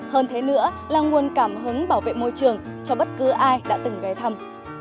hơn thế nữa là nguồn cảm hứng bảo vệ môi trường cho bất cứ ai đã từng ghé thăm